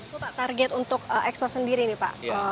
itu pak target untuk ekspor sendiri nih pak